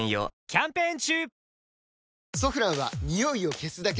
キャンペーン中！